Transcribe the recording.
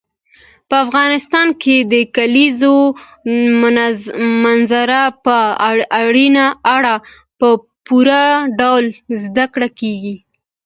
په افغانستان کې د کلیزو منظره په اړه په پوره ډول زده کړه کېږي.